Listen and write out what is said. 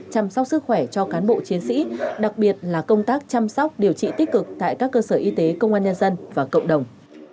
chăm sóc sức khỏe cho cán bộ chiến sĩ đặc biệt là công tác chăm sóc điều trị tích cực tại các cơ sở y tế công an nhân dân và cộng đồng